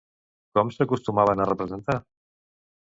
Com s'acostumaven a representar?